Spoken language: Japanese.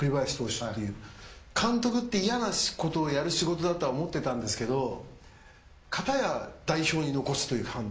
監督って嫌なことをやる仕事だとは思ってたんですけど片や代表に残すという判断をする。